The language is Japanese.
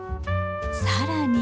更に。